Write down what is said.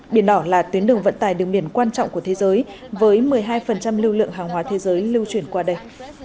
biển đỏ là tuyến đường vận tài đường biển quan trọng của thế giới với một mươi hai lưu lượng hàng hóa thế giới lưu chuyển qua đây